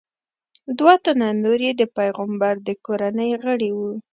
دوه تنه نور یې د پیغمبر د کورنۍ غړي وو.